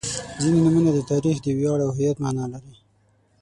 • ځینې نومونه د تاریخ، ویاړ او هویت معنا لري.